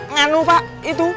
nganu pak itu